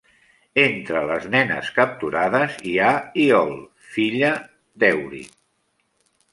Entre les nenes capturades hi ha Iole, filla d'Èurit.